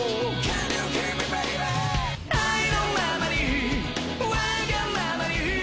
愛のままにわがままに